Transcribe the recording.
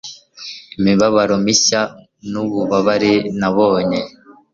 imibabaro mishya nububabare nabonye